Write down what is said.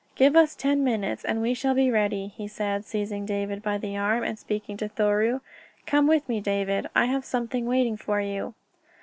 "Give us ten minutes and we shall be ready," he said, seizing David by the arm, and speaking to Thoreau. "Come with me, David. I have something waiting for you."